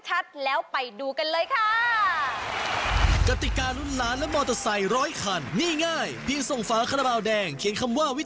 จะเอาไปต่อยอดสร้างอาชีพสร้างรายได้ก็ดูดี